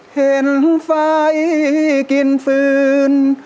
เห็นไฟกินฟืน